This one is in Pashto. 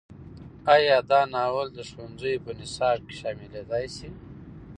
ایا دا ناول د ښوونځیو په نصاب کې شاملېدی شي؟